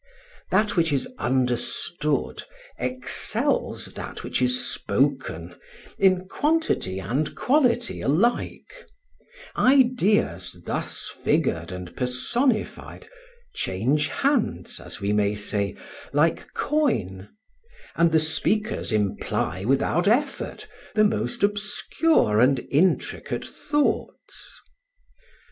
That which is understood excels that which is spoken in quantity and quality alike; ideas thus figured and personified, change hands, as we may say, like coin; and the speakers imply without effort the most obscure and intricate thoughts.